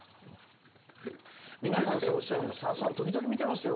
皆さんそうおっしゃるんですさださん、時々見てますよ。